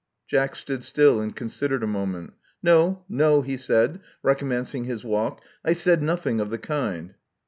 " Jack stood still and considered a moment. ''No, no," he said, recommencing his walk, I said nothing of the kind."